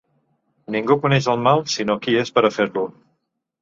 Ningú coneix el mal sinó qui és per a fer-lo.